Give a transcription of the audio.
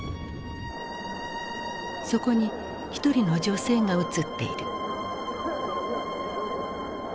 そこに一人の女性が映っている。